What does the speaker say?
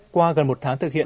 qua gần một tháng thực hiện